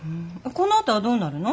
このあとはどうなるの？